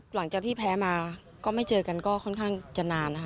หลังจากที่แพ้มาก็ไม่เจอกันก็ค่อนข้างจะนานนะคะ